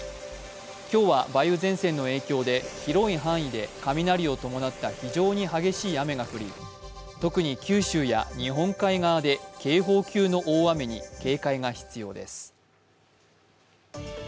今日は梅雨前線の影響で広い範囲で雷を伴った非常に激しい雨が降り、特に九州や日本海側で警報級の大雨に警戒が必要です。